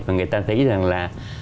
và người ta thấy rằng là